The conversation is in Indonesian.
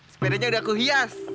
sepedanya udah aku hias